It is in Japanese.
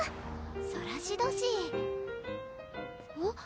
ソラシド市あっ？